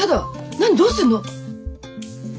何どうすんの。